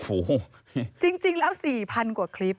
โอ้โหจริงแล้ว๔๐๐๐กว่าคลิป